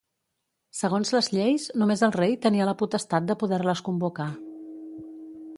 Segons les lleis, només el rei tenia la potestat de poder-les convocar.